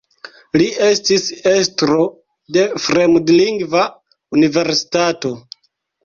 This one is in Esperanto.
Li estis estro de Fremdlingva Universitato.